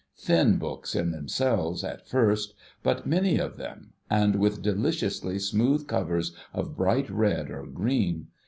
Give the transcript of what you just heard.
Thin books, in themselves, at first, but many of them, and with deliciously smooth covers of bright red or green.